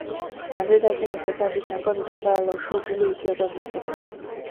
两队在进入决赛之前各自淘汰了数支历届冠军球队。